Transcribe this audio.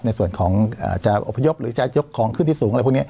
ในส่วนของจะอพยพหรือจะยกของขึ้นที่สูงอะไรพวกนี้